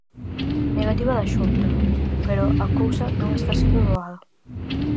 Negativa da Xunta, pero a cousa non está sendo doada.